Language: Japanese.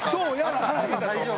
朝大丈夫！